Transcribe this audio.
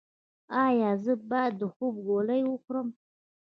ایا زه باید د خوب ګولۍ وخورم؟